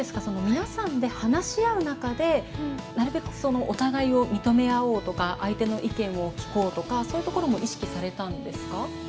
皆さんで話し合う中でなるべくお互いを認め合おうとか相手の意見を聞こうとかそういうところも意識されたんですか？